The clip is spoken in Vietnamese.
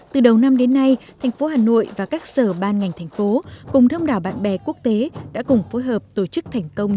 từ đầu năm đến nay thành phố hà nội và các sở ban ngành thành phố cùng đông đảo bạn bè quốc tế đã cùng phối hợp tổ chức thành công